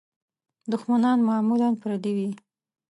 دوښمنان معمولاً پردي وي.